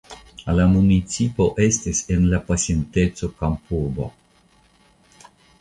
La municipo estis en la pasinteco kampurbo.